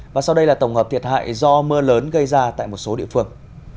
và sau đây là tổng hợp thiệt hại do mưa lớn gây ra tại một số địa phương